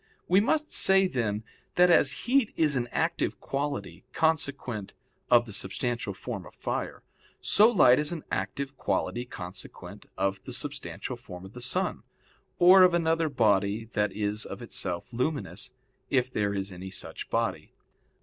We must say, then, that as heat is an active quality consequent on the substantial form of fire, so light is an active quality consequent on the substantial form of the sun, or of another body that is of itself luminous, if there is any such body.